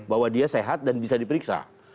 bahwa dia sehat dan bisa diperiksa